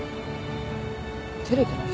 照れてないし。